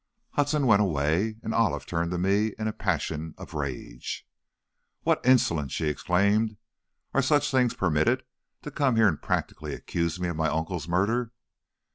Hudson went away, and Olive turned to me in a passion of rage. "What insolence!" she exclaimed. "Are such things permitted? To come here and practically accuse me of my uncle's murder!"